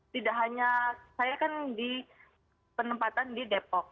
tidak hanya saya kan di penempatan di depok